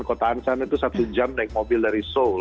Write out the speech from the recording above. kota ansan itu satu jam naik mobil dari seoul